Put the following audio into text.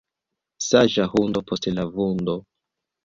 Saĝa hundo post la vundo.